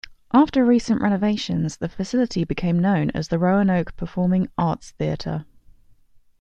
After recent renovations, the facility became known as the Roanoke Performing Arts Theatre.